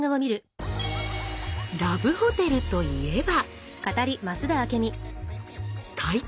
ラブホテルといえば。